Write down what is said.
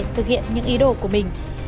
thực hiện những ý đồ của mình